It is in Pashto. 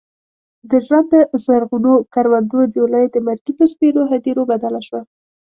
د ژوند د زرغونو کروندو جوله یې د مرګي په سپېرو هديرو بدله شوه.